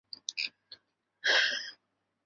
台湾蕈珊瑚为蕈珊瑚科蕈珊瑚属下的一个种。